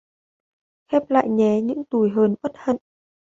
Khép lại nhé những tủi hờn uất hận